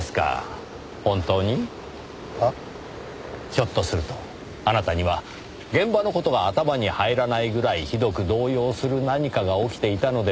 ひょっとするとあなたには現場の事が頭に入らないぐらいひどく動揺する何かが起きていたのではないか？